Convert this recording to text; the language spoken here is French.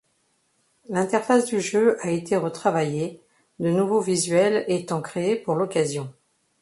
L’interface du jeu a été retravaillée, de nouveaux visuels étant créés pour l’occasion.